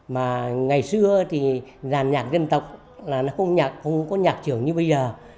mà ngày xưa thì giàn nhạc dân tộc là nó không có nhạc trưởng như bây giờ